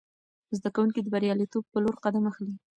زده کوونکي د بریالیتوب په لور قدم اخلي.